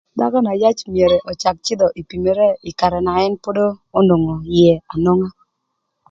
Dhakö na yac myero öcak cïdhö ï pïmere ï karë na ën pod onwongo ïë anwonga.